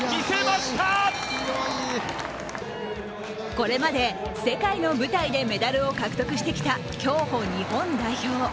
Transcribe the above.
これまで世界の舞台でメダルを獲得してきた競歩日本代表。